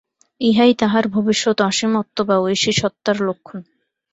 ইহাই তাহার মধ্যে ভবিষ্যৎ অসীমত্ব বা ঐশী সত্তার লক্ষণ।